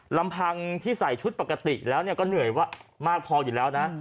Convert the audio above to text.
ลำพังที่ใส่ชุดปกติแล้วก็เหนื่อยว่ามากพออยู่แล้วนะ